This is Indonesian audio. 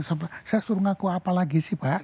saya suruh ngaku apa lagi sih pak